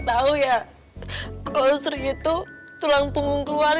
tapi sih mypest talan